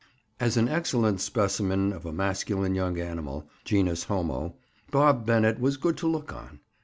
As an excellent specimen of a masculine young animal, genus homo, Bob Bennett was good to look on.